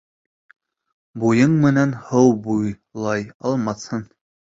Буйың менән һыу буйлай алмаҫһың.